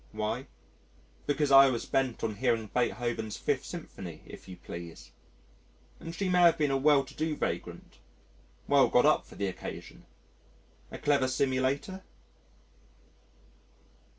Why? Because I was bent on hearing Beethoven's Fifth Symphony, if you please.... And she may have been a well to do vagrant well got up for the occasion a clever simulator?...